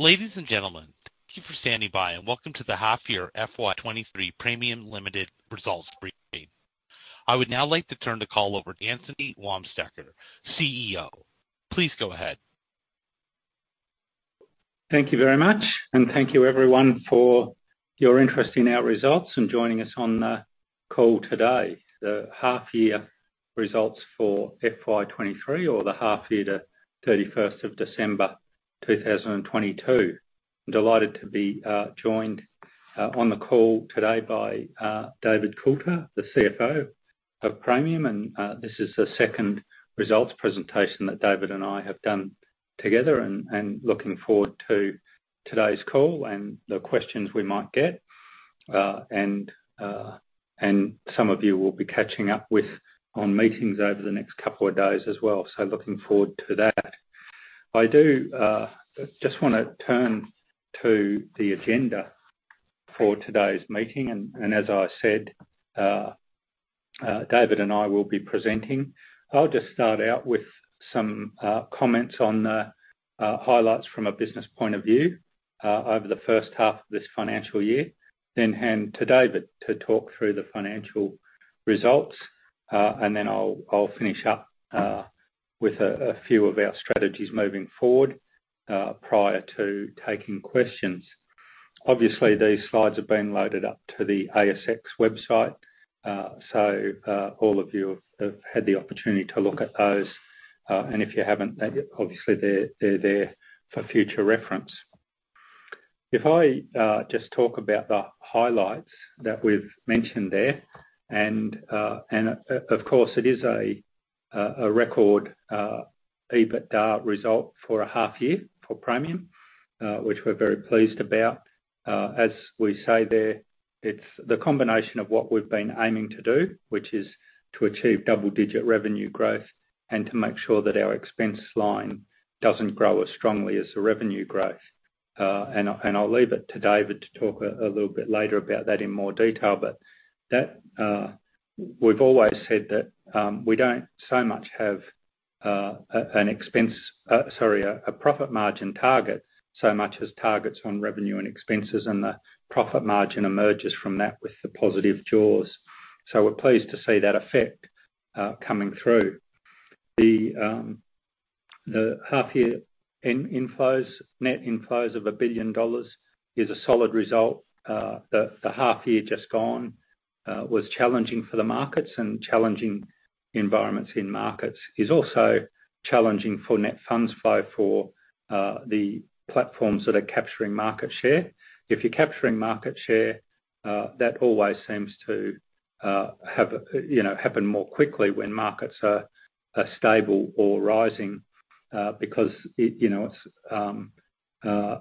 Ladies and gentlemen, thank you for standing by, welcome to the half year FY23 Praemium Limited Results Briefing. I would now like to turn the call over to Anthony Wamsteker, CEO. Please go ahead. Thank you very much. Thank you everyone for your interest in our results and joining us on the call today. The half year results for FY23 or the half year to 31st of December 2022. Delighted to be joined on the call today by David Coulter, the CFO of Praemium, and this is the second results presentation that David and I have done together and looking forward to today's call and the questions we might get. Some of you will be catching up with on meetings over the next couple of days as well. Looking forward to that. I do just want to turn to the agenda for today's meeting and as I said, David and I will be presenting. I'll just start out with some comments on the highlights from a business point of view over the first half of this financial year. Hand to David to talk through the financial results, and then I'll finish up with a few of our strategies moving forward prior to taking questions. Obviously, these slides have been loaded up to the ASX website, so all of you have had the opportunity to look at those, and if you haven't, then obviously they're there for future reference. If I just talk about the highlights that we've mentioned there, and of course, it is a record EBITDA result for a half year for Praemium, which we're very pleased about. As we say there, it's the combination of what we've been aiming to do, which is to achieve double-digit revenue growth and to make sure that our expense line doesn't grow as strongly as the revenue growth. I'll leave it to David to talk a little bit later about that in more detail. That we've always said that we don't so much have a profit margin target so much as targets on revenue and expenses, and the profit margin emerges from that with the positive jaws. We're pleased to see that effect coming through. The half year in inflows, net inflows of billion dollars is a solid result. The half year just gone was challenging for the markets and challenging environments in markets. Is also challenging for net funds flow for the platforms that are capturing market share. If you're capturing market share, that always seems to have, you know, happen more quickly when markets are stable or rising, because it, you know, it's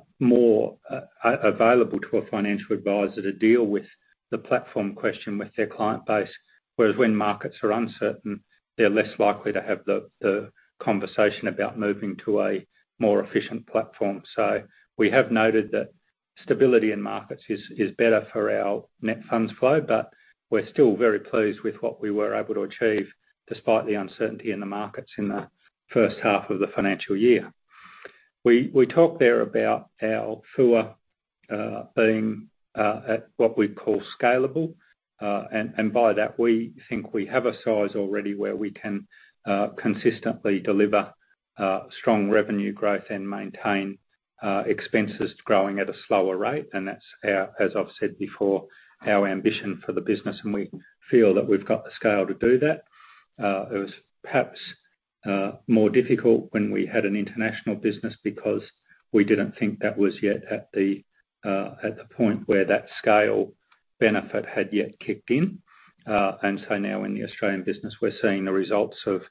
available to a financial advisor to deal with the platform question with their client base. Whereas when markets are uncertain, they're less likely to have the conversation about moving to a more efficient platform. We have noted that stability in markets is better for our net funds flow, but we're still very pleased with what we were able to achieve despite the uncertainty in the markets in the first half of the financial year. We talked there about our FUA being at what we call scalable. By that, we think we have a size already where we can consistently deliver strong revenue growth and maintain expenses growing at a slower rate. That's our, as I've said before, our ambition for the business, and we feel that we've got the scale to do that. It was perhaps more difficult when we had an international business because we didn't think that was yet at the point where that scale benefit had yet kicked in. Now in the Australian business, we're seeing the results of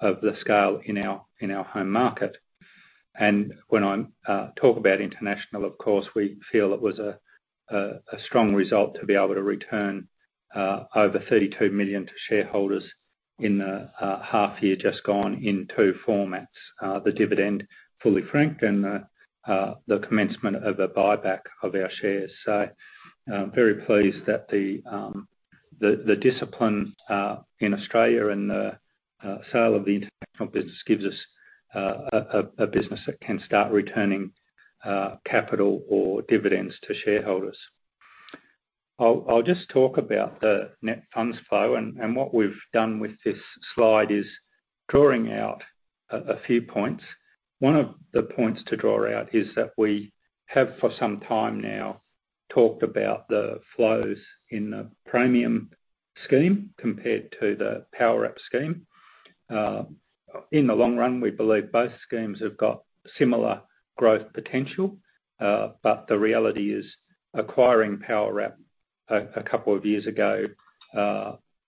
the scale in our home market. When I'm talk about international, of course, we feel it was a strong result to be able to return over 32 million to shareholders in the half year just gone in two formats: the dividend fully franked and the commencement of a buyback of our shares. Very pleased that the discipline in Australia and the sale of the international business gives us a business that can start returning capital or dividends to shareholders. I'll just talk about the net funds flow. What we've done with this slide is drawing out a few points. One of the points to draw out is that we have, for some time now, talked about the flows in the Praemium scheme compared to the Powerwrap scheme. In the long run, we believe both schemes have got similar growth potential, but the reality is acquiring Powerwrap two years ago,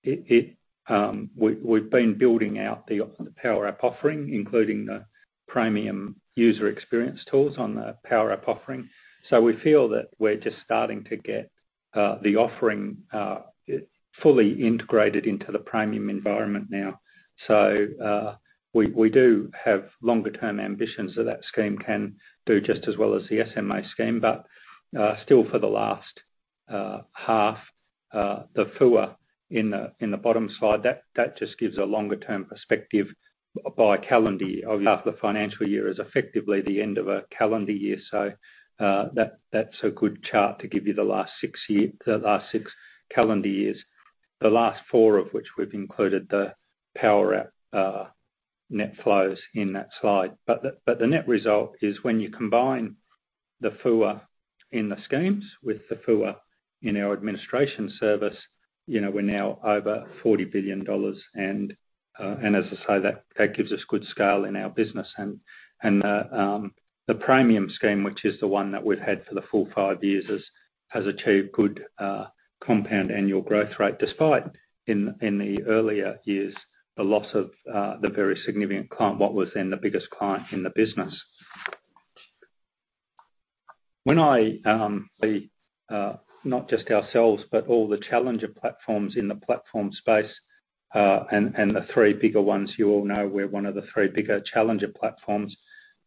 it. We've been building out the Powerwrap offering, including the Praemium user experience tools on the Powerwrap offering. We feel that we're just starting to get the offering fully integrated into the Praemium environment now. We do have longer term ambitions that that scheme can do just as well as the SMA scheme, but still, for the last half, the FUA in the bottom side, that just gives a longer term perspective by calendar year. Half the financial year is effectively the end of a calendar year, so that's a good chart to give you the last six calendar years. The last four of which we've included the power net flows in that slide. The net result is when you combine the FUA in the schemes with the FUA in our administration service, you know, we're now over $40 billion and as I say, that gives us good scale in our business. The Praemium scheme, which is the one that we've had for the full five years, has achieved good compound annual growth rate, despite in the earlier years, the loss of the very significant client, what was then the biggest client in the business. When I not just ourselves, but all the challenger platforms in the platform space, the 3 bigger ones, you all know we're one of the three bigger challenger platforms,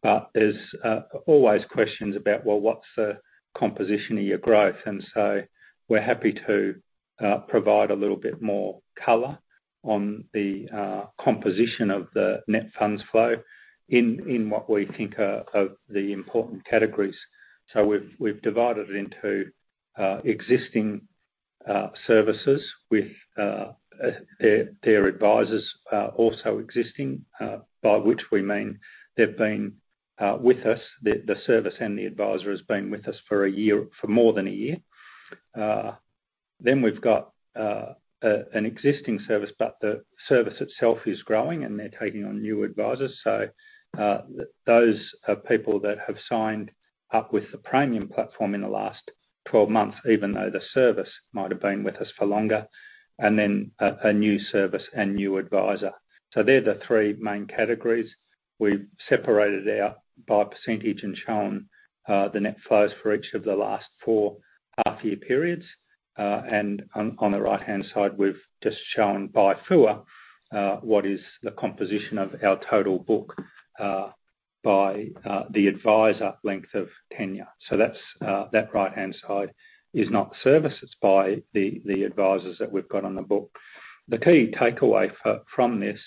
but there's always questions about, well, what's the composition of your growth? We're happy to provide a little bit more color on the composition of the net funds flow in what we think are the important categories. We've divided it into existing services with their advisors, also existing, by which we mean they've been with us, the service and the advisor has been with us for more than 1 year. Then we've got an existing service, but the service itself is growing, and they're taking on new advisors. Those are people that have signed up with the Praemium platform in the last 12 months, even though the service might have been with us for longer. Then a new service and new advisor. They're the three main categories. We've separated out by percentage and shown the net flows for each of the last four half-year periods. On the right-hand side, we've just shown by FUA, what is the composition of our total book by the advisor length of tenure. That's that right-hand side is not services by the advisors that we've got on the book. The key takeaway from this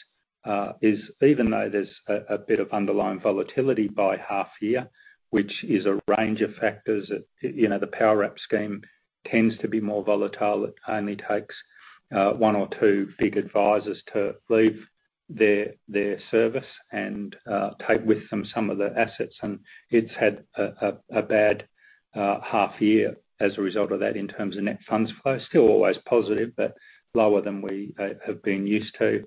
is even though there's a bit of underlying volatility by half-year, which is a range of factors that, you know, the Powerwrap scheme tends to be more volatile. It only takes one or two big advisors to leave their service and take with them some of the assets. It's had a bad half year as a result of that in terms of net funds flow. Still always positive, but lower than we have been used to.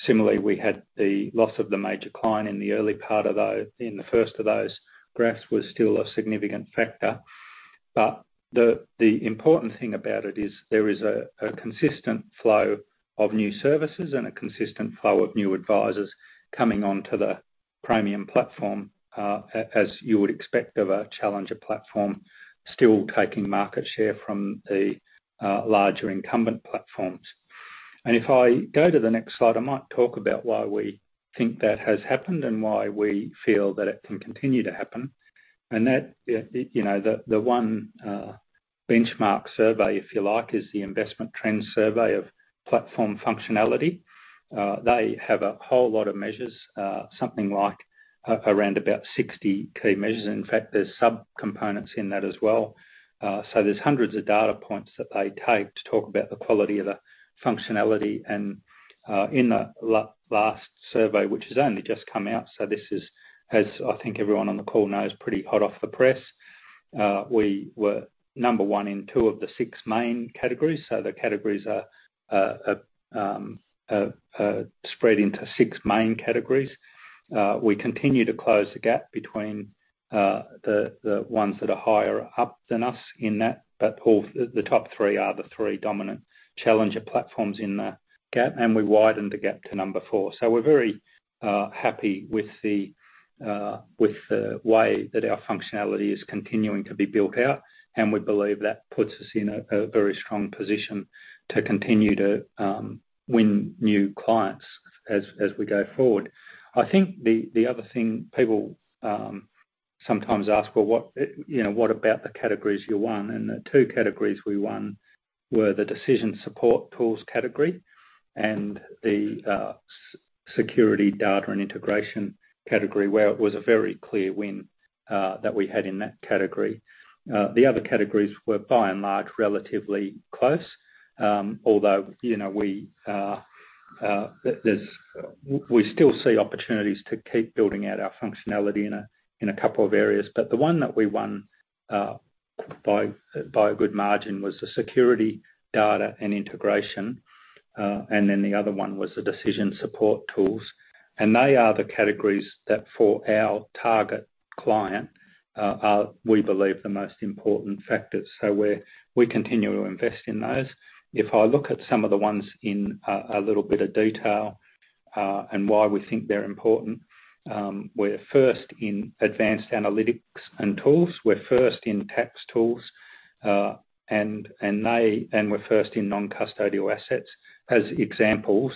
Similarly, we had the loss of the major client in the early part of those. In the first of those graphs was still a significant factor. The important thing about it is there is a consistent flow of new services and a consistent flow of new advisors coming onto the Praemium platform, as you would expect of a challenger platform, still taking market share from the larger incumbent platforms. If I go to the next slide, I might talk about why we think that has happened and why we feel that it can continue to happen. That, you know, the one benchmark survey, if you like, is the Investment Trends survey of platform functionality. They have a whole lot of measures, something like around about 60 key measures. In fact, there's subcomponents in that as well. There's hundreds of data points that they take to talk about the quality of the functionality. In the last survey, which has only just come out, so this is, as I think everyone on the call knows, pretty hot off the press. We were number one in two of the six main categories. The categories are spread into six main categories. We continue to close the gap between the ones that are higher up than us in that. All the top three are the three dominant challenger platforms in the gap, and we widened the gap to number four. We're very happy with the way that our functionality is continuing to be built out, and we believe that puts us in a very strong position to continue to win new clients as we go forward. I think the other thing people sometimes ask, "Well, what, you know, what about the categories you won?" The two categories we won were the decision support tools category and the security data and integration category, where it was a very clear win that we had in that category. The other categories were by and large, relatively close. Although, you know, we still see opportunities to keep building out our functionality in a couple of areas. The one that we won by a good margin was the security data and integration. The other one was the decision support tools. They are the categories that for our target client are, we believe, the most important factors. We continue to invest in those. If I look at some of the ones in a little bit of detail, and why we think they're important, we're first in advanced analytics and tools, we're first in tax tools, and we're first in non-custodial assets, as examples.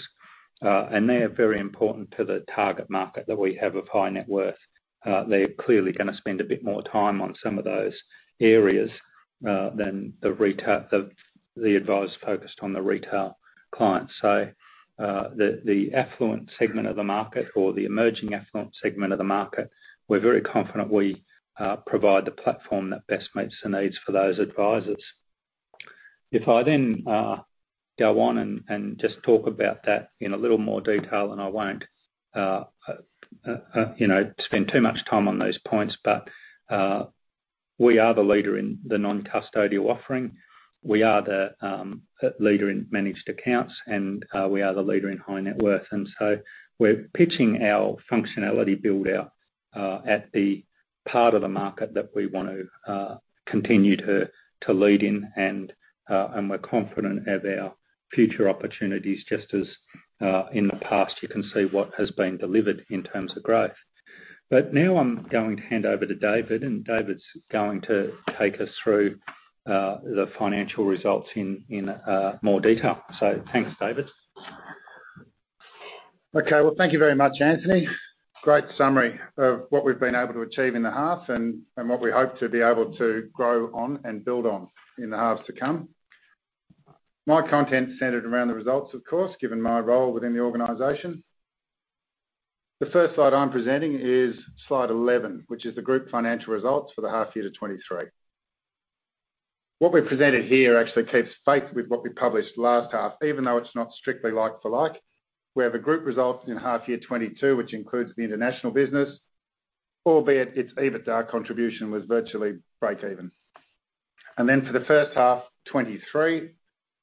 They are very important to the target market that we have of high net worth. They're clearly gonna spend a bit more time on some of those areas than the advisors focused on the retail clients. The affluent segment of the market or the emerging affluent segment of the market, we're very confident we provide the platform that best meets the needs for those advisors. If I then go on and just talk about that in a little more detail, and I won't, you know, spend too much time on those points. We are the leader in the non-custodial offering. We are the leader in managed accounts, and we are the leader in high net worth. We're pitching our functionality build-out at the part of the market that we want to continue to lead in. We're confident of our future opportunities, just as in the past, you can see what has been delivered in terms of growth. Now I'm going to hand over to David, and David's going to take us through the financial results in more detail. Thanks, David. Okay. Well, thank you very much, Anthony. Great summary of what we've been able to achieve in the half and what we hope to be able to grow on and build on in the halves to come. My content's centered around the results, of course, given my role within the organization. The first slide I'm presenting is slide 11, which is the group financial results for the half year to 2023. What we've presented here actually keeps faith with what we published last half, even though it's not strictly like for like. We have a group result in half year 2022, which includes the international business, albeit its EBITDA contribution was virtually breakeven. For the first half 2023,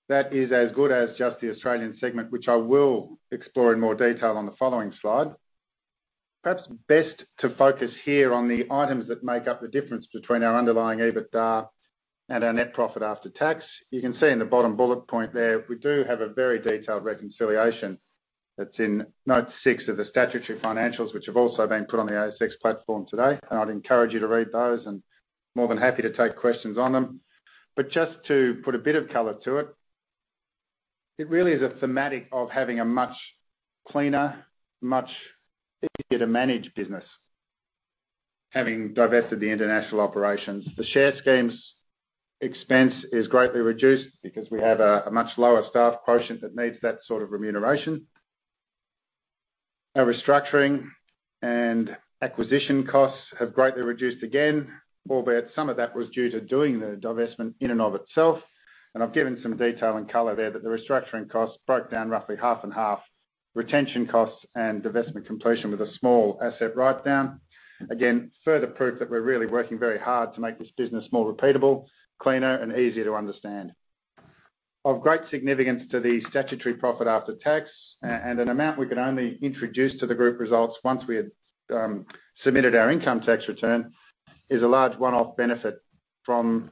that is as good as just the Australian segment, which I will explore in more detail on the following slide. Perhaps best to focus here on the items that make up the difference between our underlying EBITDA and our net profit after tax. You can see in the bottom bullet point there, we do have a very detailed reconciliation that's in note six of the statutory financials, which have also been put on the ASX platform today. I'd encourage you to read those, and more than happy to take questions on them. Just to put a bit of color to it really is a thematic of having a much cleaner, much easier to manage business, having divested the international operations. The share schemes expense is greatly reduced because we have a much lower staff quotient that needs that sort of remuneration. Our restructuring and acquisition costs have greatly reduced again, albeit some of that was due to doing the divestment in and of itself. I've given some detail and color there, but the restructuring costs broke down roughly half and half, retention costs and divestment completion with a small asset write-down. Again, further proof that we're really working very hard to make this business more repeatable, cleaner, and easier to understand. Of great significance to the statutory profit after tax, and an amount we could only introduce to the group results once we had submitted our income tax return, is a large one-off benefit from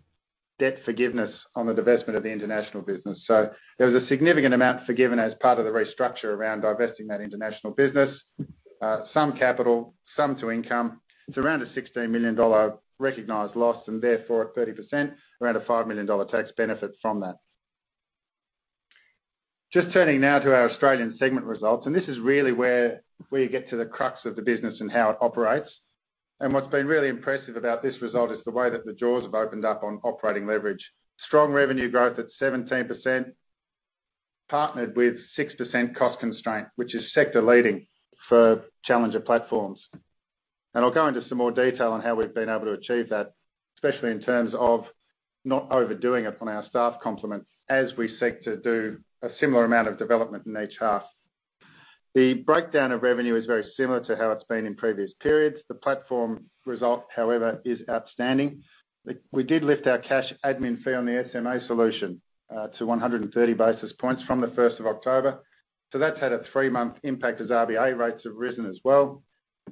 debt forgiveness on the divestment of the international business. There was a significant amount forgiven as part of the restructure around divesting that international business. Some capital, some to income. It's around a $16 million recognized loss, and therefore at 30%, around a $5 million tax benefit from that. Just turning now to our Australian segment results. This is really where we get to the crux of the business and how it operates. What's been really impressive about this result is the way that the doors have opened up on operating leverage. Strong revenue growth at 17%, partnered with 6% cost constraint, which is sector-leading for challenger platforms. I'll go into some more detail on how we've been able to achieve that, especially in terms of not overdoing it on our staff complement as we seek to do a similar amount of development in each half. The breakdown of revenue is very similar to how it's been in previous periods. The platform result, however, is outstanding. We did lift our cash admin fee on the SMA solution to 130 basis points from the 1st of October. That's had a three-month impact as RBA rates have risen as well.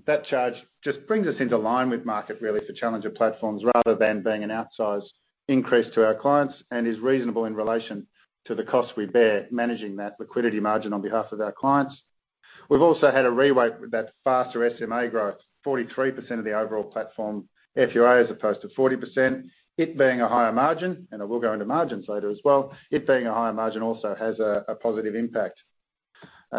That charge just brings us into line with market really for challenger platforms rather than being an outsized increase to our clients and is reasonable in relation to the cost we bear managing that liquidity margin on behalf of our clients. We've also had a reweight with that faster SMA growth, 43% of the overall platform FUA as opposed to 40%, it being a higher margin, and I will go into margins later as well. It being a higher margin also has a positive impact.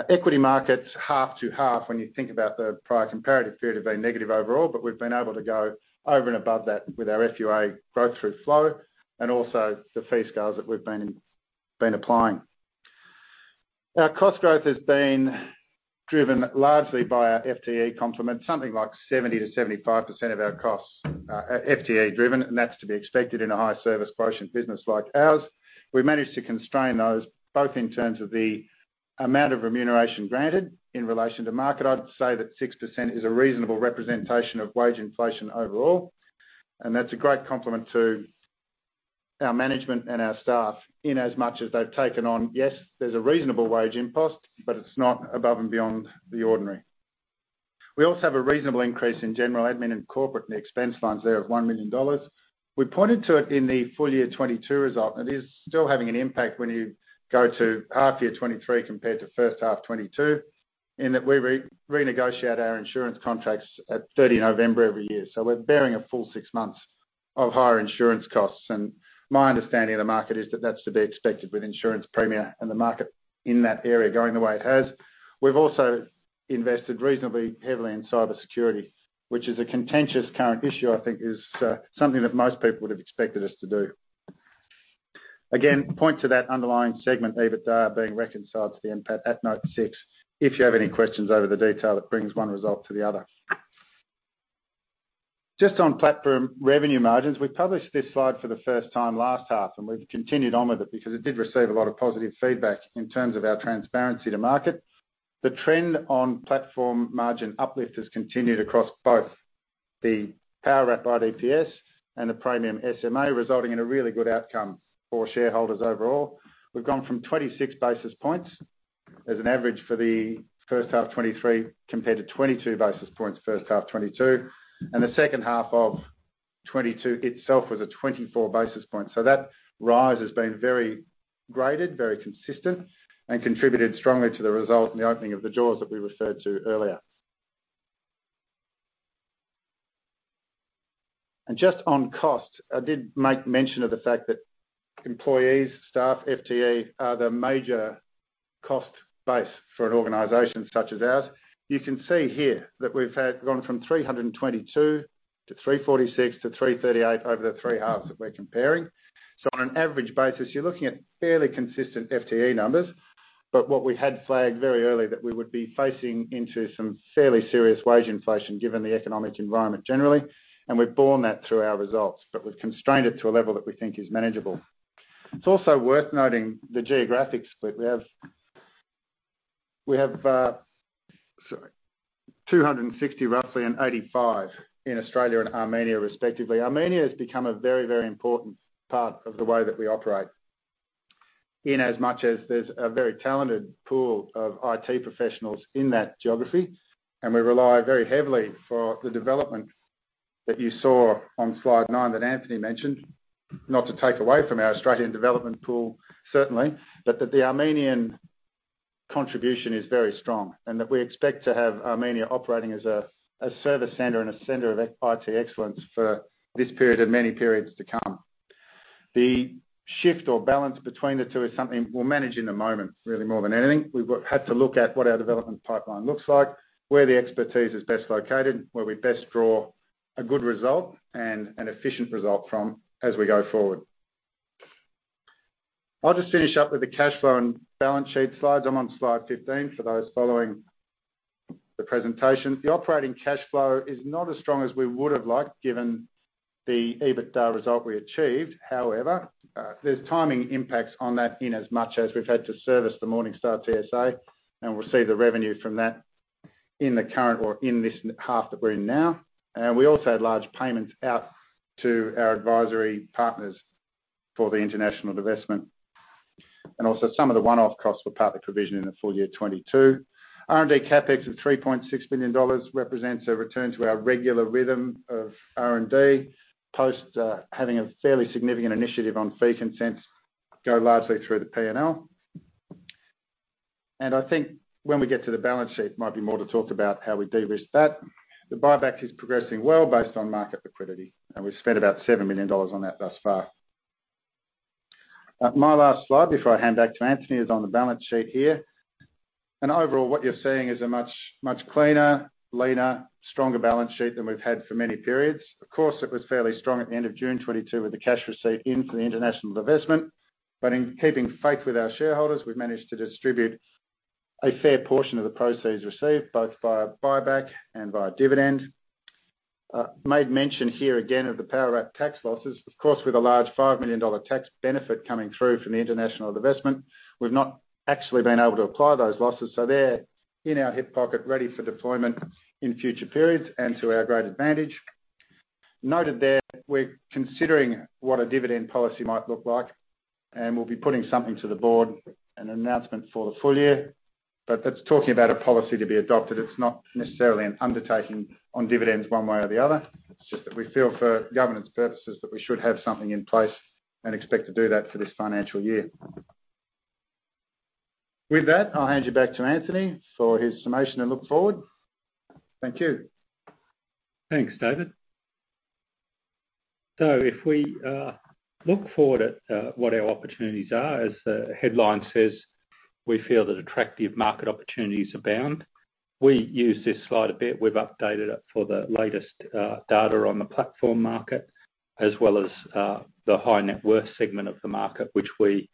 Equity markets half to half when you think about the prior comparative period have been negative overall, but we've been able to go over and above that with our FUA growth through flow and also the fee scales that we've been applying. Our cost growth has been driven largely by our FTE complement, something like 70%-75% of our costs are FTE driven. That's to be expected in a high service quotient business like ours. We managed to constrain those both in terms of the amount of remuneration granted in relation to market. I'd say that 6% is a reasonable representation of wage inflation overall. That's a great complement to our management and our staff in as much as they've taken on. Yes, there's a reasonable wage impost, but it's not above and beyond the ordinary. We also have a reasonable increase in general admin and corporate in the expense funds there of $1 million. We pointed to it in the full year 2022 result. It is still having an impact when you go to half year 2023 compared to first half 2022, in that we renegotiate our insurance contracts at 30 November every year. We're bearing a full six months of higher insurance costs. My understanding of the market is that that's to be expected with insurance premium and the market in that area going the way it has. We've also invested reasonably heavily in cybersecurity, which is a contentious current issue, I think is something that most people would have expected us to do. Again, point to that underlying segment EBITDA being reconciled to the NPAT at note six. If you have any questions over the detail, that brings one result to the other. Just on platform revenue margins, we published this slide for the first time last half, and we've continued on with it because it did receive a lot of positive feedback in terms of our transparency to market. The trend on platform margin uplift has continued across both the Powerwrap IDPS and the Praemium SMA, resulting in a really good outcome for shareholders overall. We've gone from 26 basis points as an average for the first half 2023, compared to 22 basis points first half 2022. The second half of 2022 itself was a 24 basis point. That rise has been very graded, very consistent, and contributed strongly to the result in the opening of the doors that we referred to earlier. Just on cost, I did make mention of the fact that employees, staff, FTE, are the major cost base for an organization such as ours. You can see here that we've had gone from 322 to 346 to 338 over the three halves that we're comparing. On an average basis, you're looking at fairly consistent FTE numbers. What we had flagged very early that we would be facing into some fairly serious wage inflation given the economic environment generally, and we've borne that through our results, but we've constrained it to a level that we think is manageable. It's also worth noting the geographic split we have. We have, sorry, 260 roughly and 85 in Australia and Armenia, respectively. Armenia has become a very, very important part of the way that we operate. In as much as there's a very talented pool of IT professionals in that geography, we rely very heavily for the development that you saw on slide nine that Anthony mentioned. Not to take away from our Australian development pool, certainly, that the Armenian contribution is very strong and that we expect to have Armenia operating as a service center and a center of IT excellence for this period and many periods to come. The shift or balance between the two is something we'll manage in the moment, really more than anything. We had to look at what our development pipeline looks like, where the expertise is best located, where we best draw a good result and an efficient result from as we go forward. I'll just finish up with the cash flow and balance sheet slides. I'm on slide 15 for those following the presentation. The operating cash flow is not as strong as we would have liked, given the EBITDA result we achieved. However, there's timing impacts on that in as much as we've had to service the Morningstar TSA, and we'll see the revenue from that in the current or in this half that we're in now. We also had large payments out to our advisory partners for the international divestment and also some of the one-off costs were partly provisioned in the full year 2022. R&D CapEx of $3.6 million represents a return to our regular rhythm of R&D post having a fairly significant initiative on fee consents go largely through the P&L. I think when we get to the balance sheet, might be more to talk about how we de-risk that. The buyback is progressing well based on market liquidity, and we've spent about $7 million on that thus far. My last slide before I hand back to Anthony is on the balance sheet here. Overall, what you're seeing is a much, much cleaner, leaner, stronger balance sheet than we've had for many periods. Of course, it was fairly strong at the end of June 2022 with the cash receipt in for the international divestment. In keeping faith with our shareholders, we've managed to distribute a fair portion of the proceeds received, both via buyback and via dividend. Made mention here again of the Powerwrap tax losses. Of course, with a large $5 million tax benefit coming through from the international divestment, we've not actually been able to apply those losses. They're in our hip pocket ready for deployment in future periods and to our great advantage. Noted there, we're considering what a dividend policy might look like, and we'll be putting something to the board, an announcement for the full year. That's talking about a policy to be adopted. It's not necessarily an undertaking on dividends one way or the other. It's just that we feel for governance purposes, that we should have something in place and expect to do that for this financial year. With that, I'll hand you back to Anthony for his summation and look forward. Thank you. Thanks, David. If we look forward at what our opportunities are, as the headline says, we feel that attractive market opportunities abound. We use this slide a bit. We've updated it for the latest data on the platform market, as well as the high net worth segment of the market, which we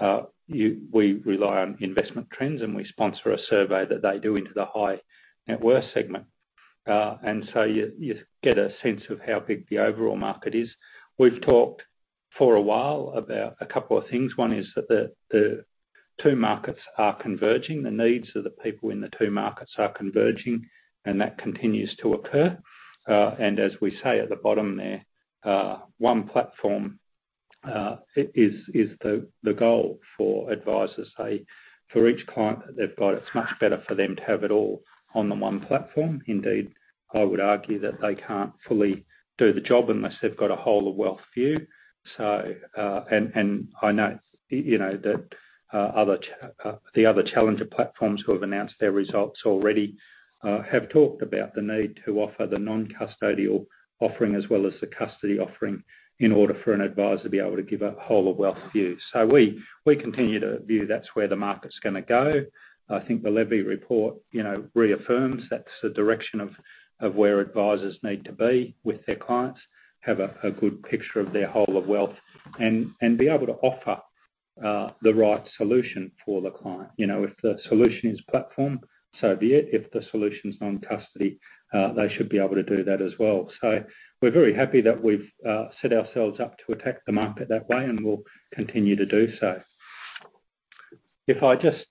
rely on Investment Trends, and we sponsor a survey that they do into the high net worth segment. You get a sense of how big the overall market is. We've talked for a while about a couple of things. One is that the two markets are converging. The needs of the people in the two markets are converging, and that continues to occur. As we say at the bottom there, one platform, it is the goal for advisors. Say, for each client that they've got, it's much better for them to have it all on the one platform. Indeed, I would argue that they can't fully do the job unless they've got a whole of wealth view. And, and I know, you know, that other challenger platforms who have announced their results already, have talked about the need to offer the non-custodial offering as well as the custody offering in order for an advisor to be able to give a whole of wealth view. We, we continue to view that's where the market's gonna go. I think the Levy report, you know, reaffirms that's the direction of where advisors need to be with their clients, have a good picture of their whole of wealth and be able to offer the right solution for the client. You know, if the solution is platform, so be it. If the solution's non-custody, they should be able to do that as well. We're very happy that we've set ourselves up to attack the market that way, and we'll continue to do so. If I just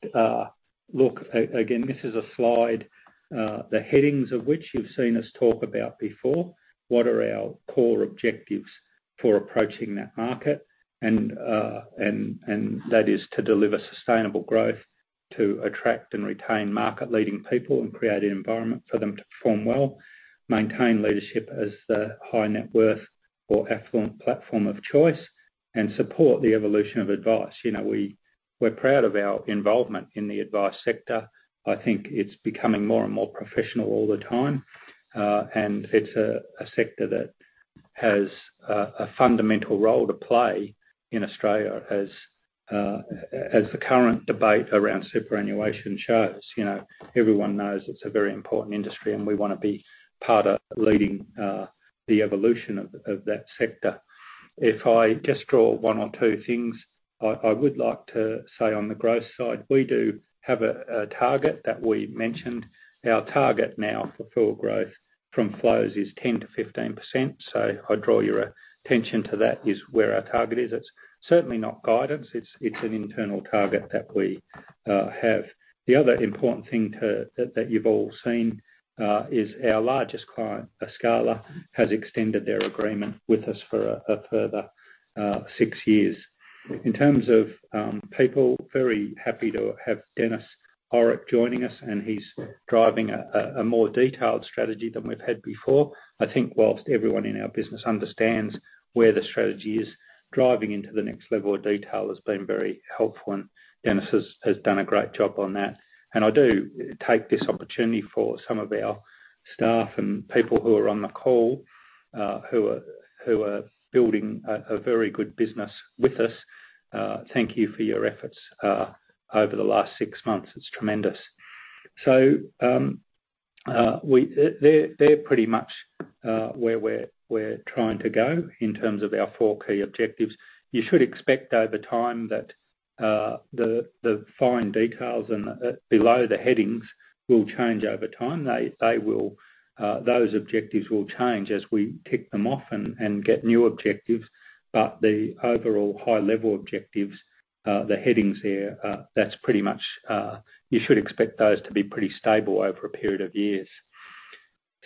look again, this is a slide, the headings of which you've seen us talk about before. What are our core objectives for approaching that market? That is to deliver sustainable growth, to attract and retain market-leading people and create an environment for them to perform well, maintain leadership as the high net worth or affluent platform of choice, and support the evolution of advice. You know, we're proud of our involvement in the advice sector. I think it's becoming more and more professional all the time, and it's a sector that has a fundamental role to play in Australia as the current debate around superannuation shows. You know, everyone knows it's a very important industry, and we wanna be part of leading the evolution of that sector. If I just draw one or two things, I would like to say on the growth side, we do have a target that we mentioned. Our target now for full growth from flows is 10%-15%. I draw your attention to that is where our target is. It's certainly not guidance. It's an internal target that we have. The other important thing you've all seen, is our largest client, Escala, has extended their agreement with us for a further six years. In terms of people, very happy to have Denis Orrock joining us. He's driving a more detailed strategy than we've had before. I think whilst everyone in our business understands where the strategy is, driving into the next level of detail has been very helpful. Denis has done a great job on that. I do take this opportunity for some of our staff and people who are on the call, who are building a very good business with us, thank you for your efforts over the last 6 months. It's tremendous. They're pretty much where we're trying to go in terms of our four key objectives. You should expect over time that the fine details and below the headings will change over time. They will, those objectives will change as we tick them off and get new objectives. The overall high level objectives, the headings there, that's pretty much you should expect those to be pretty stable over a period of years.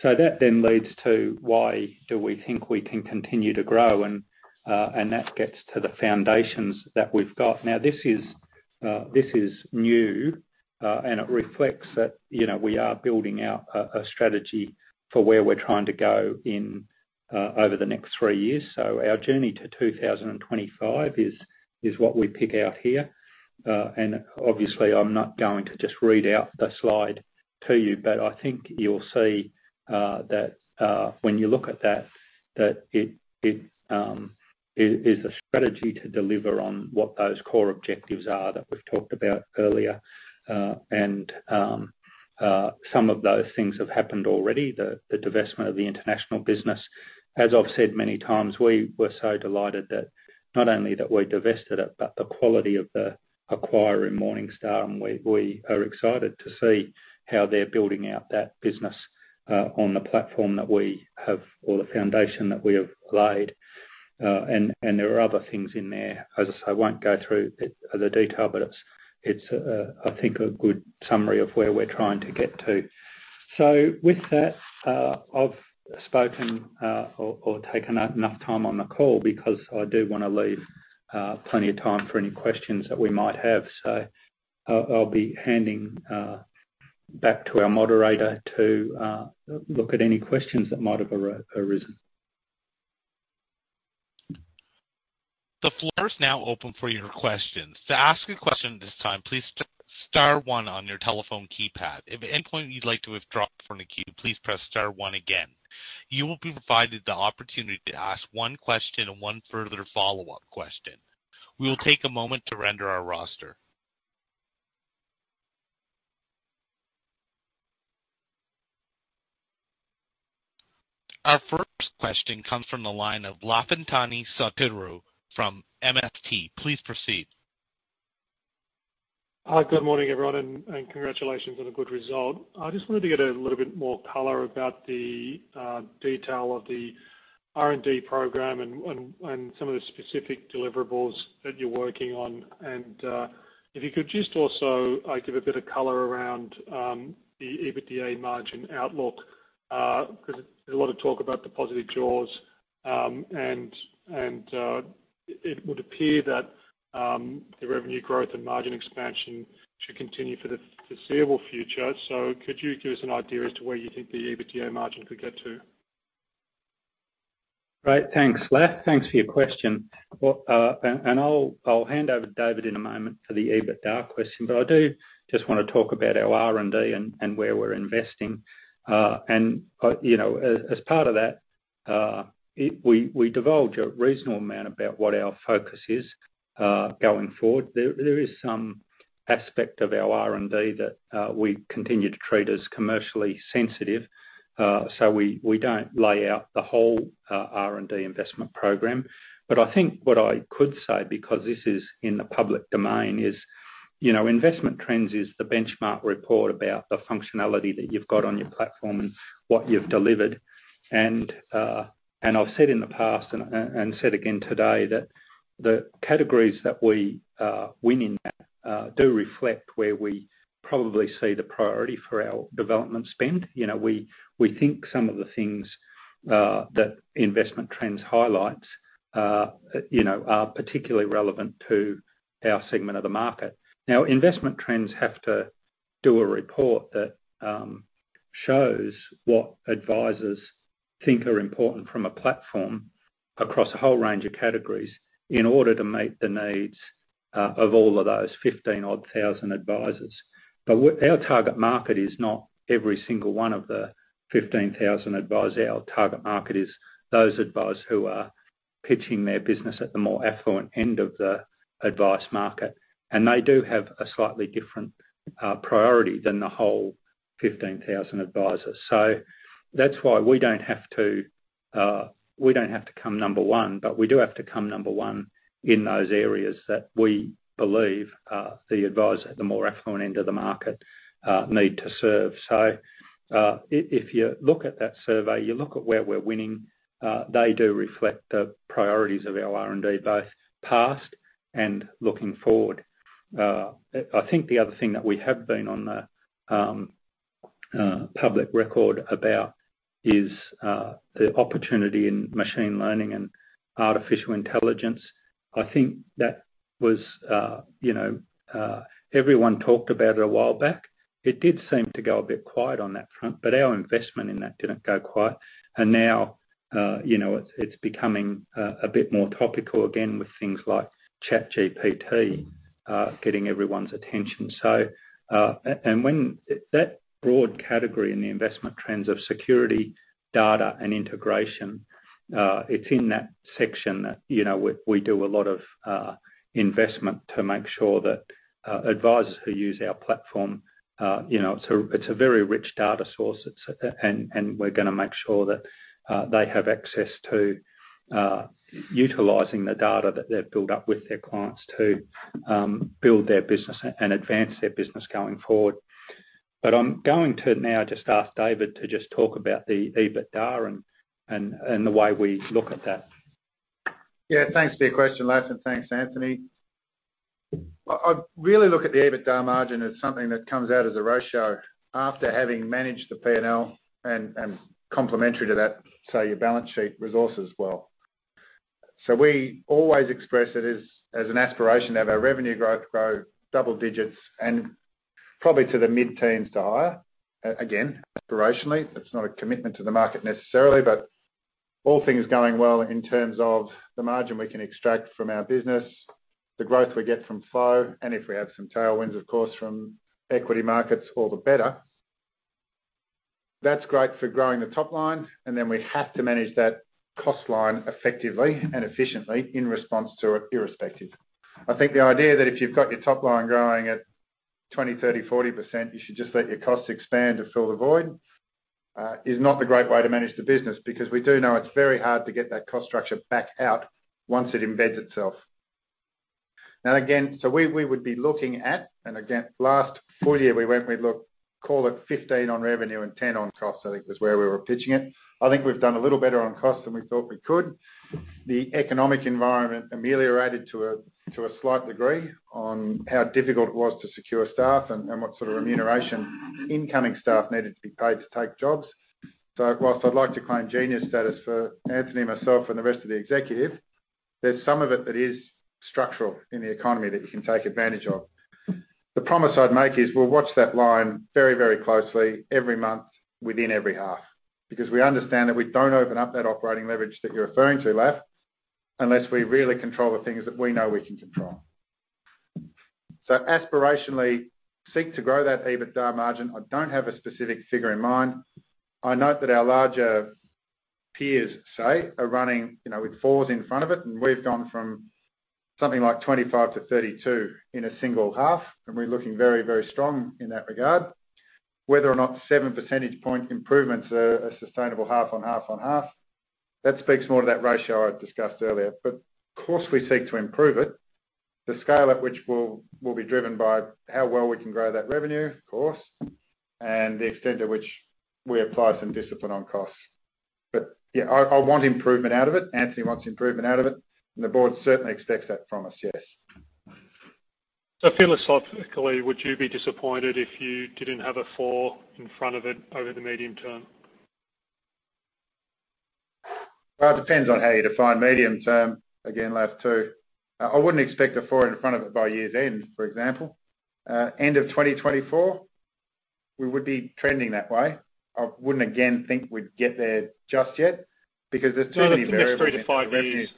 That leads to why do we think we can continue to grow? That gets to the foundations that we've got. Now, this is new and it reflects that, you know, we are building out a strategy for where we're trying to go in over the next three years. Our journey to 2025 is what we pick out here. Obviously, I'm not going to just read out the slide to you, but I think you'll see that when you look at that it is a strategy to deliver on what those core objectives are that we've talked about earlier. Some of those things have happened already. The divestment of the international business. As I've said many times, we were so delighted that not only that we divested it, but the quality of the acquirer in Morningstar, and we are excited to see how they're building out that business on the platform that we have or the foundation that we have laid. There are other things in there. As I say, I won't go through the detail, but it's a, I think, a good summary of where we're trying to get to. With that, I've spoken or taken out enough time on the call because I do wanna leave plenty of time for any questions that we might have. I'll be handing back to our moderator to look at any questions that might have arisen. The floor is now open for your questions. To ask a question at this time, please star star one on your telephone keypad. If at any point you'd like to withdraw from the queue, please press star one again. You will be provided the opportunity to ask one question and one further follow-up question. We will take a moment to render our roster. Our first question comes from the line of Lafitani Sotiriou from MST Financial. Please proceed. Good morning, everyone, and congratulations on a good result. I just wanted to get a little bit more color about the detail of the R&D program and some of the specific deliverables that you're working on. If you could just also give a bit of color around the EBITDA margin outlook. Because there's a lot of talk about the positive jaws, and it would appear that the revenue growth and margin expansion should continue for the foreseeable future. Could you give us an idea as to where you think the EBITDA margin could get to? Great. Thanks, Lach. Thanks for your question. What, and I'll hand over to David in a moment for the EBITDA question. I do just wanna talk about our R&D and where we're investing. You know, as part of that, we divulge a reasonable amount about what our focus is going forward. There is some aspect of our R&D that we continue to treat as commercially sensitive. We don't lay out the whole R&D investment program. I think what I could say, because this is in the public domain, is, you know, Investment Trends is the benchmark report about the functionality that you've got on your platform and what you've delivered. I've said in the past and said again today that the categories that we win in that do reflect where we probably see the priority for our development spend. You know, we think some of the things that Investment Trends highlights, you know, are particularly relevant to our segment of the market. Investment Trends have to do a report that shows what advisors think are important from a platform across a whole range of categories in order to meet the needs of all of those 15 odd thousand advisors. Our target market is not every single one of the 15,000 advisors. Our target market is those advisors who are pitching their business at the more affluent end of the advice market, and they do have a slightly different priority than the whole 15,000 advisors. That's why we don't have to, we don't have to come number one, but we do have to come number one in those areas that we believe the advisor at the more affluent end of the market need to serve. If you look at that survey, you look at where we're winning, they do reflect the priorities of our R&D, both past and looking forward. I think the other thing that we have been on the public record about is the opportunity in machine learning and artificial intelligence. I think that was, you know, everyone talked about it a while back. It did seem to go a bit quiet on that front, but our investment in that didn't go quiet. Now, you know, it's becoming a bit more topical again with things like ChatGPT getting everyone's attention. When that broad category in the investment trends of security, data, and integration, it's in that section that, you know, we do a lot of investment to make sure that advisors who use our platform, you know, it's a very rich data source. It's, and we're gonna make sure that they have access to utilizing the data that they've built up with their clients to build their business and advance their business going forward. I'm going to now just ask David to just talk about the EBITDA and the way we look at that. Yeah, thanks for your question, Lach, and thanks, Anthony. I really look at the EBITDA margin as something that comes out as a ratio after having managed the P&L and complementary to that, say, your balance sheet resources well. We always express it as an aspiration to have our revenue growth grow double digits and probably to the mid-teens to higher. Again, aspirationally, that's not a commitment to the market necessarily, but all things going well in terms of the margin we can extract from our business, the growth we get from flow, and if we have some tailwinds, of course, from equity markets, all the better. That's great for growing the top line, and then we have to manage that cost line effectively and efficiently in response to it irrespective. I think the idea that if you've got your top line growing at 20%, 30%, 40%, you should just let your costs expand to fill the void, is not the great way to manage the business. We do know it's very hard to get that cost structure back out once it embeds itself. Again, we would be looking at, and again, last full year, we went, we looked, call it 15% on revenue and 10% on cost. It was where we were pitching it. I think we've done a little better on cost than we thought we could. The economic environment ameliorated to a slight degree on how difficult it was to secure staff and what sort of remuneration incoming staff needed to be paid to take jobs. Whilst I'd like to claim genius status for Anthony, myself, and the rest of the executive, there's some of it that is structural in the economy that you can take advantage of. The promise I'd make is we'll watch that line very, very closely every month within every half, because we understand that we don't open up that operating leverage that you're referring to, Lach, unless we really control the things that we know we can control. Aspirationally seek to grow that EBITDA margin. I don't have a specific figure in mind. I note that our larger peers, say, are running, you know, with fours in front of it, and we've gone from something like 25 to 32 in a single half, and we're looking very, very strong in that regard. Whether or not seven percentage point improvements are sustainable half on half on half, that speaks more to that ratio I discussed earlier. Of course we seek to improve it. The scale at which we'll be driven by how well we can grow that revenue, of course, and the extent to which we apply some discipline on costs. Yeah, I want improvement out of it. Anthony wants improvement out of it, and the board certainly expects that from us, yes. philosophically, would you be disappointed if you didn't have a four in front of it over the medium term? Well, it depends on how you define medium term. Again, left to, I wouldn't expect a four in front of it by year's end, for example. End of 2024, we would be trending that way. I wouldn't again think we'd get there just yet because there's too many variables- No, the next 35 years.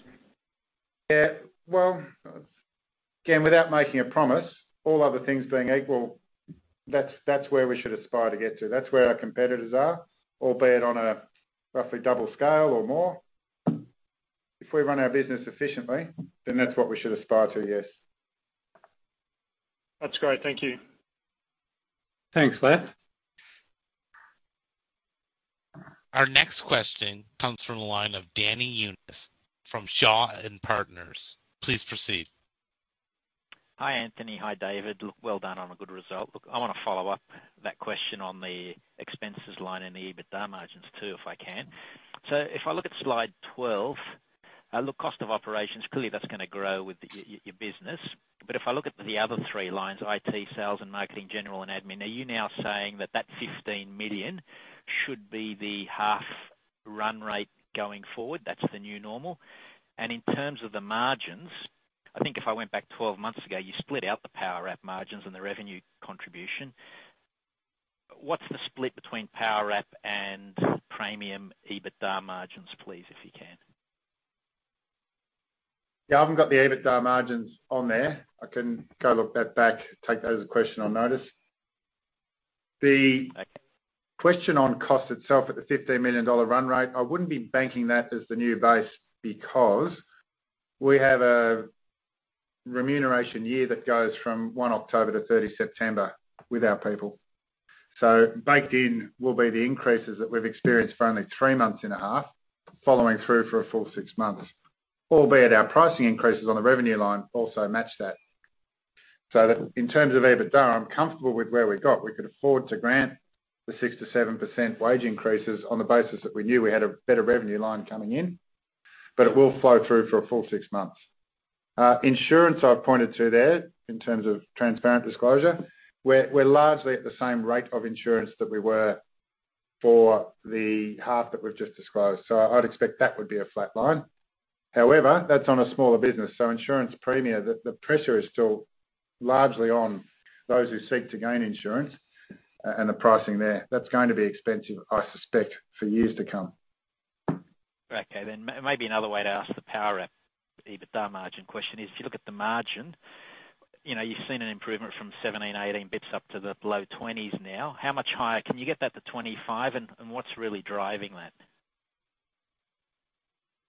Yeah. Well, again, without making a promise, all other things being equal, that's where we should aspire to get to. That's where our competitors are, albeit on a roughly double scale or more. If we run our business efficiently, then that's what we should aspire to, yes. That's great. Thank you. Thanks, Les. Our next question comes from the line of Danny Younis from Shaw and Partners. Please proceed. Hi, Anthony. Hi, David. Well done on a good result. Look, I wanna follow up that question on the expenses line in the EBITDA margins too, if I can. If I look at slide 12, look, cost of operations, clearly that's gonna grow with your business. If I look at the other three lines, IT, sales and marketing, general and admin, are you now saying that that $15 million should be the half run rate going forward? That's the new normal? In terms of the margins, I think if I went back 12 months ago, you split out the Powerwrap margins and the revenue contribution. What's the split between Powerwrap and Praemium EBITDA margins, please, if you can? Yeah, I haven't got the EBITDA margins on there. I can go look that back, take that as a question on notice. Okay. The question on cost itself at the $15 million run rate, I wouldn't be banking that as the new base because we have a remuneration year that goes from 1 October to 30 September with our people. Baked in will be the increases that we've experienced for only 3 and a half months following through for a full 6 months. Albeit our pricing increases on the revenue line also match that. That in terms of EBITDA, I'm comfortable with where we got. We could afford to grant the 6%-7% wage increases on the basis that we knew we had a better revenue line coming in, but it will flow through for a full 6 months. Insurance, I've pointed to there in terms of transparent disclosure, we're largely at the same rate of insurance that we were for the half that we've just disclosed. I'd expect that would be a flat line. However, that's on a smaller business. Insurance premium, the pressure is still largely on those who seek to gain insurance and the pricing there. That's going to be expensive, I suspect, for years to come. Maybe another way to ask the Praemium EBITDA margin question is, if you look at the margin, you know, you've seen an improvement from 17, 18 bits up to the low 20s% now. How much higher can you get that to 25%, and what's really driving that?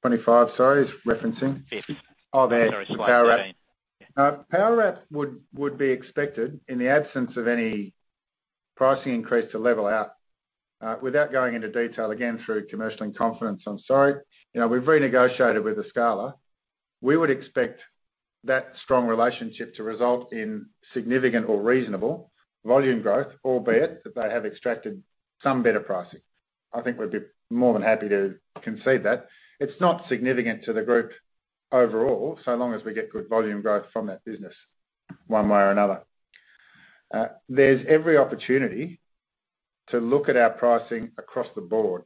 25, sorry, is referencing? Yes. Oh, there. Sorry, slide 18. Powerwrap. Powerwrap would be expected in the absence of any pricing increase to level out. Without going into detail, again through commercial in confidence, I'm sorry. You know, we've renegotiated with Escala. We would expect that strong relationship to result in significant or reasonable volume growth, albeit that they have extracted some better pricing. I think we'd be more than happy to concede that. It's not significant to the group overall, so long as we get good volume growth from that business one way or another. There's every opportunity to look at our pricing across the board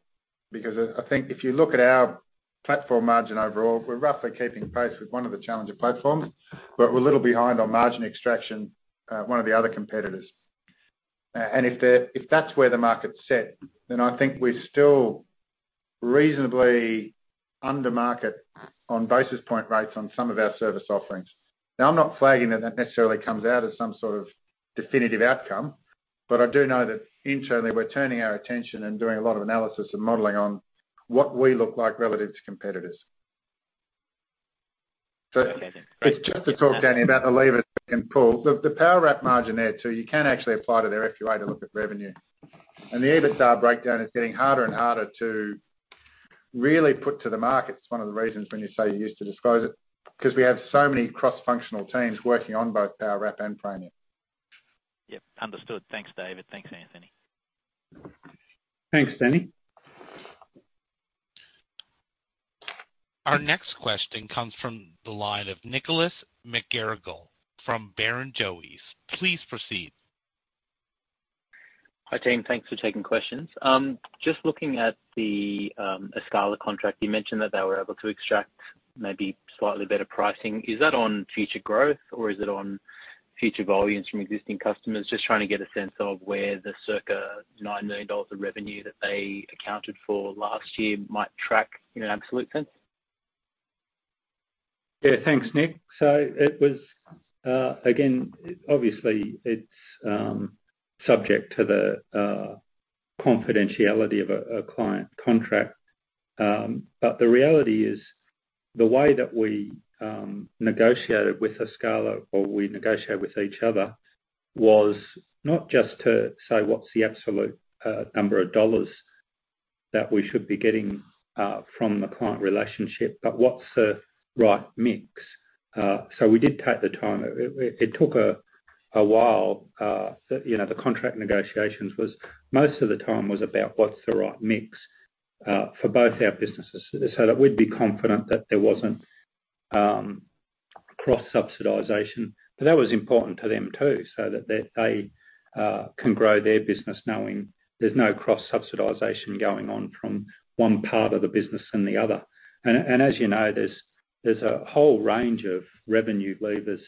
because I think if you look at our platform margin overall, we're roughly keeping pace with one of the challenger platforms, but we're a little behind on margin extraction, one of the other competitors. If that's where the market's set, then I think we're still reasonably under market on basis point rates on some of our service offerings. I'm not flagging that necessarily comes out as some sort of definitive outcome. I do know that internally, we're turning our attention and doing a lot of analysis and modeling on what we look like relative to competitors. Okay. Just to talk, Danny, about the levers we can pull. The Powerwrap margin there too, you can actually apply to their FUA to look at revenue. The EBITDA breakdown is getting harder and harder to really put to the market. It's one of the reasons when you say you used to disclose it, 'cause we have so many cross-functional teams working on both Powerwrap and Praemium. Yep, understood. Thanks, David. Thanks, Anthony. Thanks, Danny. Our next question comes from the line of Nicholas McGarrigle from Barrenjoey's. Please proceed. Hi, team. Thanks for taking questions. Just looking at the Escala contract, you mentioned that they were able to extract maybe slightly better pricing. Is that on future growth or is it on future volumes from existing customers? Just trying to get a sense of where the circa $9 million of revenue that they accounted for last year might track in an absolute sense. Yeah. Thanks, Nick. It was, again, obviously it's subject to the confidentiality of a client contract. The reality is the way that we negotiated with Escala or we negotiate with each other was not just to say what's the absolute number of dollars that we should be getting from the client relationship, but what's the right mix. We did take the time. It took a while, you know, the contract negotiations was most of the time was about what's the right mix. For both our businesses, so that we'd be confident that there wasn't cross-subsidization. That was important to them too, so that they can grow their business knowing there's no cross-subsidization going on from one part of the business and the other. As you know, there's a whole range of revenue levers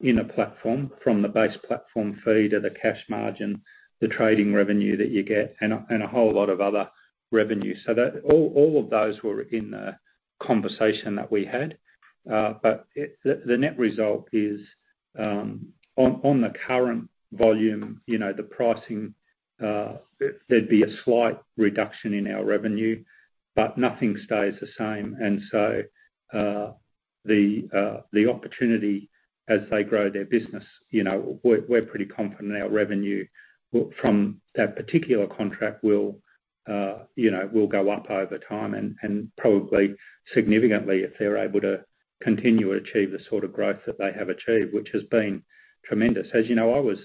in a platform from the base platform fee to the cash margin, the trading revenue that you get, and a whole lot of other revenues. That all of those were in the conversation that we had. The net result is on the current volume, you know, the pricing, there'd be a slight reduction in our revenue, but nothing stays the same. The opportunity as they grow their business, you know, we're pretty confident our revenue from that particular contract will, you know, will go up over time and probably significantly if they're able to continue to achieve the sort of growth that they have achieved, which has been tremendous. As you know, I was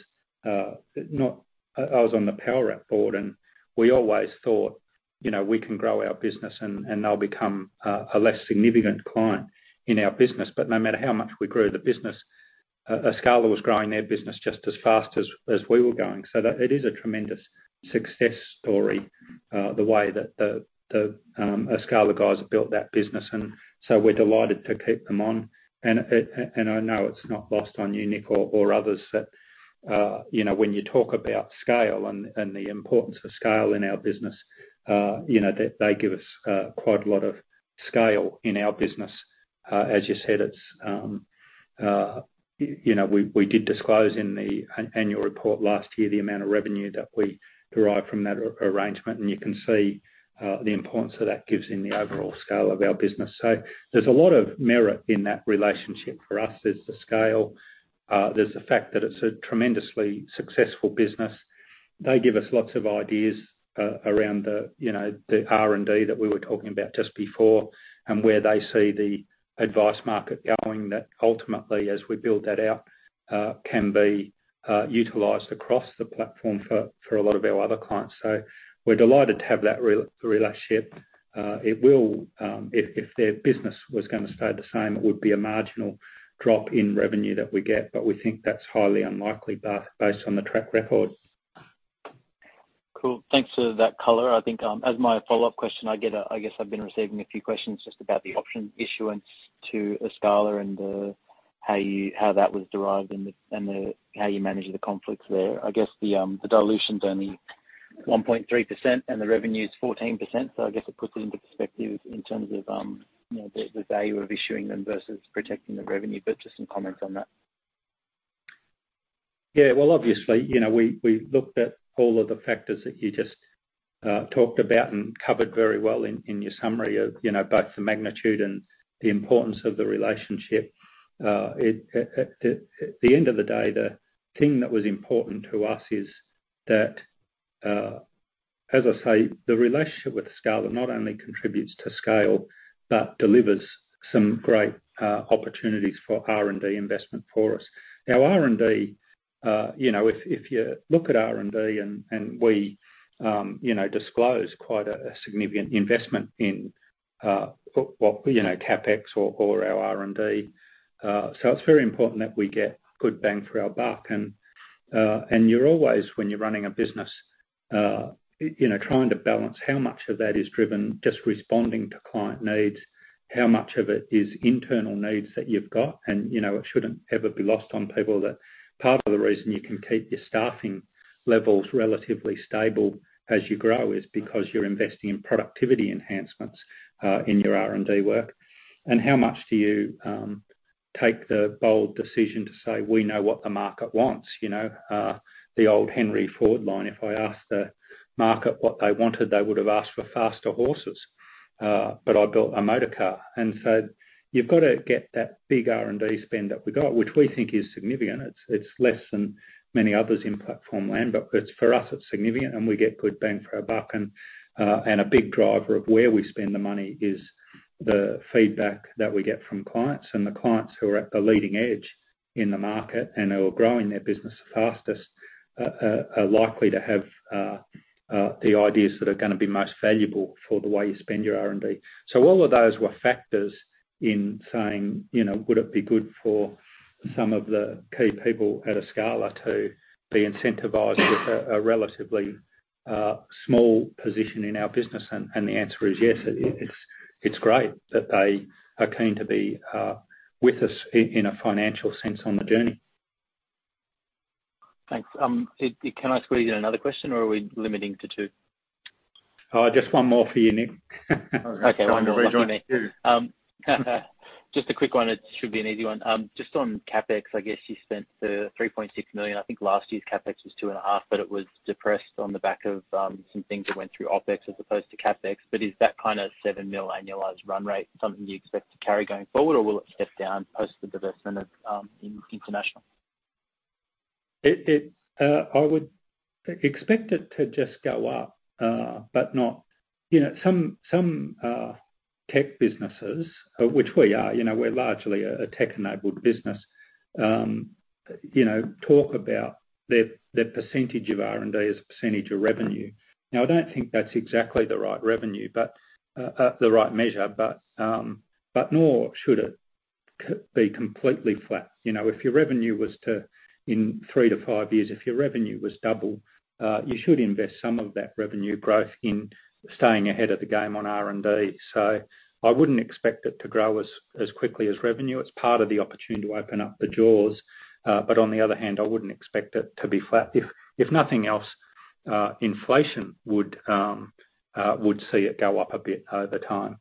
on the Powerwrap board, and we always thought, you know, we can grow our business and they'll become a less significant client in our business. No matter how much we grew the business, Escala was growing their business just as fast as we were going. It is a tremendous success story, the way that the Escala guys have built that business, we're delighted to keep them on. I know it's not lost on you, Nick, or others that, you know, when you talk about scale and the importance of scale in our business, you know, they give us, quite a lot of scale in our business. As you said, it's, you know, we did disclose in the annual report last year the amount of revenue that we derive from that arrangement, and you can see, the importance that that gives in the overall scale of our business. There's a lot of merit in that relationship for us. There's the scale. There's the fact that it's a tremendously successful business. They give us lots of ideas, around the, you know, the R&D that we were talking about just before and where they see the advice market going, that ultimately, as we build that out, can be utilized across the platform for a lot of our other clients. We're delighted to have that relationship. It will, if their business was gonna stay the same, it would be a marginal drop in revenue that we get. We think that's highly unlikely, but based on the track record. Cool. Thanks for that color. I think, as my follow-up question, I guess I've been receiving a few questions just about the option issuance to Escala and, how you, how that was derived and the, and the, how you manage the conflicts there. I guess the dilution's only 1.3% and the revenue's 14%, so I guess it puts it into perspective in terms of, you know, the value of issuing them versus protecting the revenue. Just some comments on that. Well, obviously, you know, we looked at all of the factors that you just talked about and covered very well in your summary of, you know, both the magnitude and the importance of the relationship. It at the end of the day, the thing that was important to us is that as I say, the relationship with Escala not only contributes to scale, but delivers some great opportunities for R&D investment for us. R&D, you know, if you look at R&D and we, you know, disclose quite a significant investment in what, you know, CapEx or our R&D, so it's very important that we get good bang for our buck. You're always, when you're running a business, you know, trying to balance how much of that is driven just responding to client needs, how much of it is internal needs that you've got. You know, it shouldn't ever be lost on people that part of the reason you can keep your staffing levels relatively stable as you grow is because you're investing in productivity enhancements in your R&D work. How much do you take the bold decision to say, "We know what the market wants," you know? The old Henry Ford line: If I asked the market what they wanted, they would have asked for faster horses, but I built a motor car. You've got to get that big R&D spend that we got, which we think is significant. It's less than many others in platform land, but it's, for us, it's significant and we get good bang for our buck. A big driver of where we spend the money is the feedback that we get from clients. The clients who are at the leading edge in the market and who are growing their business the fastest are likely to have the ideas that are gonna be most valuable for the way you spend your R&D. All of those were factors in saying, you know, would it be good for some of the key people at Escala to be incentivized with a relatively small position in our business? The answer is yes. It's great that they are keen to be with us in a financial sense on the journey. Thanks. Can I squeeze in another question, or are we limiting to two? Oh, just one more for you, Nick. Okay. Just a quick one. It should be an easy one. Just on CapEx, I guess you spent the $3.6 million. I think last year's CapEx was $2.5 million, but it was depressed on the back of, some things that went through OpEx as opposed to CapEx. Is that kind of $ 7 million annualized run rate something you expect to carry going forward, or will it step down post the divestment of, in International? It, I would expect it to just go up, but not, you know, some tech businesses, which we are, you know, we're largely a tech-enabled business, you know, talk about their percentage of R&D as a percentage of revenue. I don't think that's exactly the right revenue, but the right measure, but nor should it be completely flat. You know, In three to five years, if your revenue was double, you should invest some of that revenue growth in staying ahead of the game on R&D. I wouldn't expect it to grow as quickly as revenue. It's part of the opportunity to open up the doors, but on the other hand, I wouldn't expect it to be flat. If nothing else, inflation would see it go up a bit over time.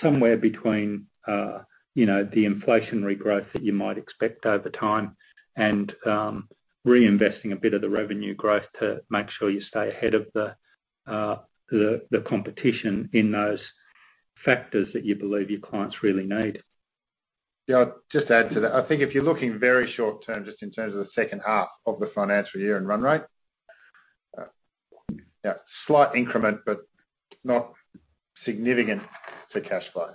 Somewhere between, you know, the inflationary growth that you might expect over time and reinvesting a bit of the revenue growth to make sure you stay ahead of the competition in those factors that you believe your clients really need. I'd just add to that. I think if you're looking very short term, just in terms of the second half of the financial year and run rate, slight increment but not significant to cash flow.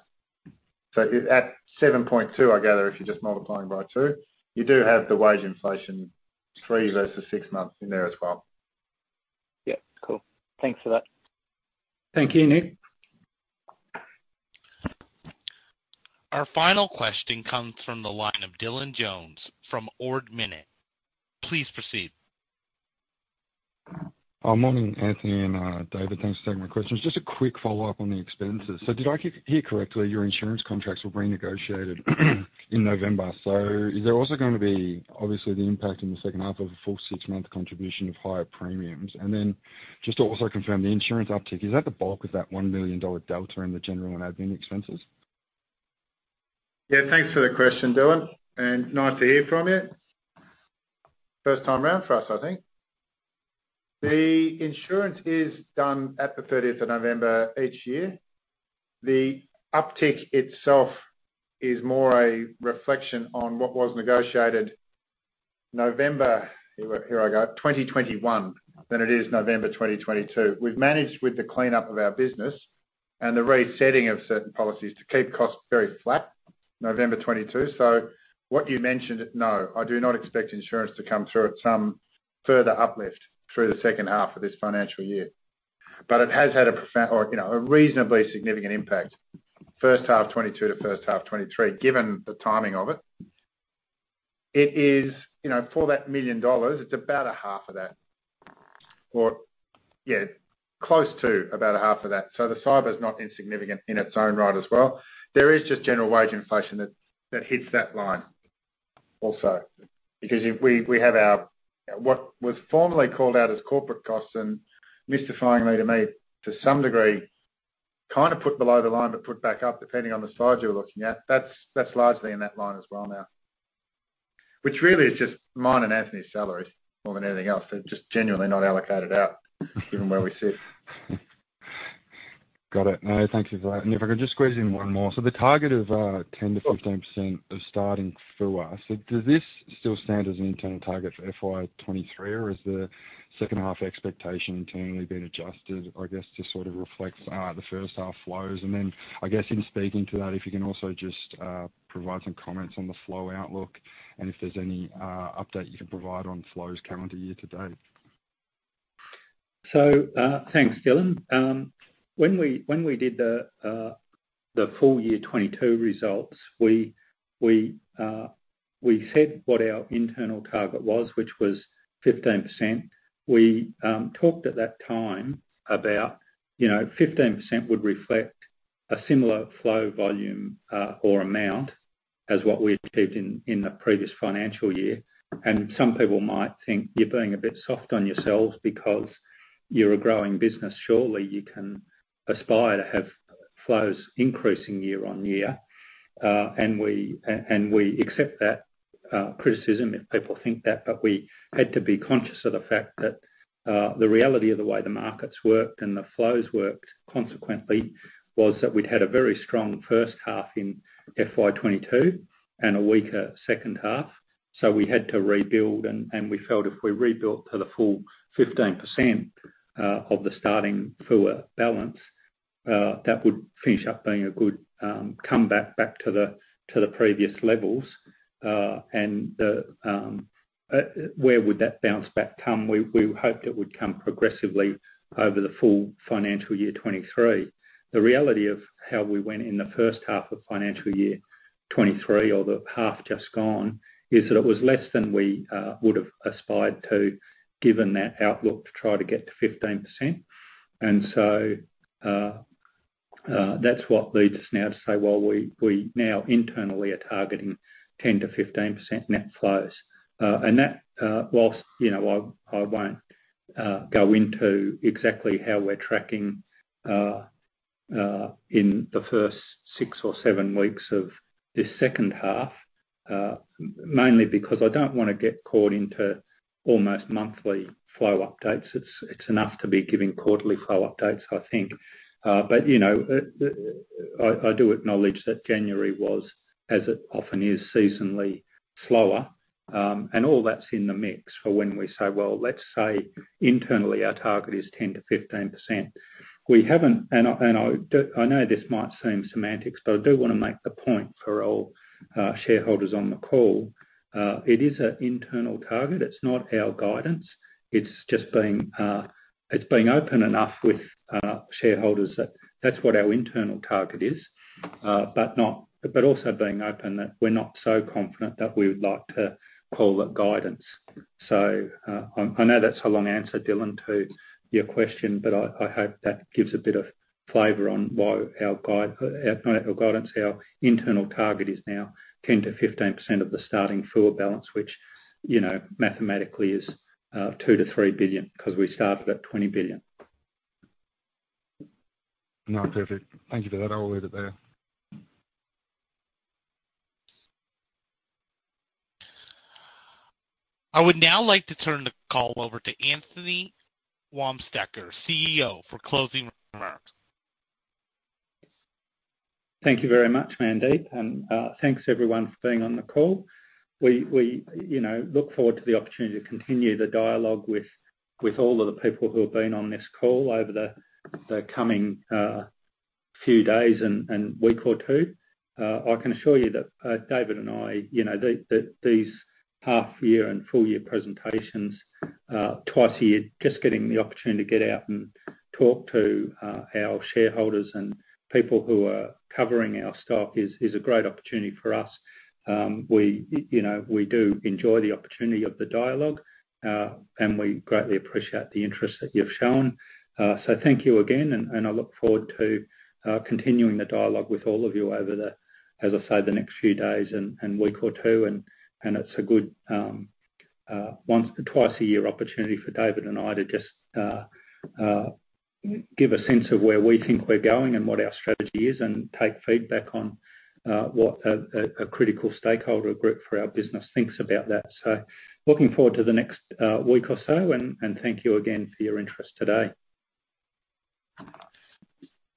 If at seven point two, I gather, if you're just multiplying by two, you do have the wage inflation three versus six months in there as well. Yeah. Cool. Thanks for that. Thank you, Nick. Our final question comes from the line of Dylan Jones from Ord Minnett. Please proceed. Morning, Anthony and David. Thanks for taking my questions. Just a quick follow-up on the expenses. Did I hear correctly your insurance contracts were renegotiated in November? Is there also gonna be obviously the impact in the second half of a full six-month contribution of higher premiums? Just to also confirm the insurance uptick, is that the bulk of that $1 million delta in the general and admin expenses? Thanks for the question, Dylan, and nice to hear from you. First time around for us, I think. The insurance is done at the thirtieth of November each year. The uptick itself is more a reflection on what was negotiated November, here I go, 2021 than it is November 2022. We've managed with the cleanup of our business and the resetting of certain policies to keep costs very flat November 2022. What you mentioned, no. I do not expect insurance to come through at some further uplift through the second half of this financial year. It has had a or, you know, a reasonably significant impact first half 2022 to first half 2023, given the timing of it. It is, you know, for that $1 million, it's about a half of that. Yeah, close to about a half of that. The cyber's not insignificant in its own right as well. There is just general wage inflation that hits that line also. Because if we have our, what was formerly called out as corporate costs and mystifyingly to me, to some degree, kind of put below the line but put back up depending on the side you're looking at. That's largely in that line as well now. Which really is just mine and Anthony's salaries more than anything else. They're just genuinely not allocated out given where we sit. Got it. No, thank you for that. If I could just squeeze in 1 more. The target of 10%-15% of starting FUA. Does this still stand as an internal target for FY 2023, or is the second half expectation internally been adjusted, I guess, to sort of reflect the first half flows? I guess in speaking to that, if you can also just provide some comments on the flow outlook and if there's any update you can provide on flows calendar year to date. Thanks, Dylan. When we did the full year 22 results, we said what our internal target was, which was 15%. We talked at that time about, you know, 15% would reflect a similar flow volume or amount as what we achieved in the previous financial year. Some people might think you're being a bit soft on yourselves because you're a growing business. Surely you can aspire to have flows increasing year on year. We accept that criticism if people think that. We had to be conscious of the fact that the reality of the way the markets worked and the flows worked consequently, was that we'd had a very strong first half in FY 22 and a weaker second half. We had to rebuild and we felt if we rebuilt to the full 15% of the starting FUA balance, that would finish up being a good comeback back to the previous levels. The where would that bounce back come? We hoped it would come progressively over the full financial year 2023. The reality of how we went in the first half of financial year 2023 or the half just gone, is that it was less than we would have aspired to, given that outlook, to try to get to 15%. That's what leads us now to say, well, we now internally are targeting 10%-15% net flows. That, whilst, you know, I won't go into exactly how we're tracking, in the first six or seven weeks of this second half, mainly because I don't wanna get caught into almost monthly flow updates. It's enough to be giving quarterly flow updates, I think. You know, I do acknowledge that January was, as it often is, seasonally slower. All that's in the mix for when we say, well, let's say internally our target is 10%-15%. We haven't. I know this might seem semantics, but I do wanna make the point for all shareholders on the call. It is an internal target. It's not our guidance. It's just being open enough with shareholders that that's what our internal target is. Also being open that we're not so confident that we would like to call it guidance. I know that's a long answer, Dylan, to your question, but I hope that gives a bit of flavor on why our guide, not our guidance, our internal target is now 10%-15% of the starting full balance, which, you know, mathematically is $2 billion-$3 billion because we started at $20 billion. No, perfect. Thank you for that. I'll leave it there. I would now like to turn the call over to Anthony Wamsteker, CEO for closing remarks. Thank you very much, Mandeep. Thanks, everyone, for being on the call. We, you know, look forward to the opportunity to continue the dialogue with all of the people who have been on this call over the coming few days and week or two. I can assure you that David and I, you know, these half year and full year presentations, twice a year, just getting the opportunity to get out and talk to our shareholders and people who are covering our stock is a great opportunity for us. We, you know, we do enjoy the opportunity of the dialogue, and we greatly appreciate the interest that you've shown. Thank you again, and I look forward to continuing the dialogue with all of you over the, as I say, the next few days and week or two. It's a good twice a year opportunity for David and I to just give a sense of where we think we're going and what our strategy is and take feedback on what a critical stakeholder group for our business thinks about that. Looking forward to the next week or so, and thank you again for your interest today.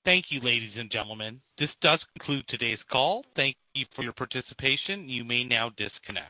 Thank you, ladies and gentlemen. This does conclude today's call. Thank you for your participation. You may now disconnect.